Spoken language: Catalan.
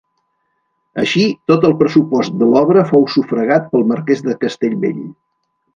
Així tot el pressupost de l'obra fou sufragat pel marqués de Castellbell.